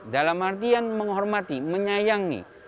dalam artian menghormati menyayangi